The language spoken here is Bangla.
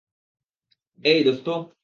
এই, দোস্ত!